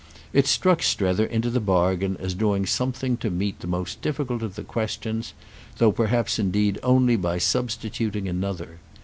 It struck Strether into the bargain as doing something to meet the most difficult of the questions; though perhaps indeed only by substituting another.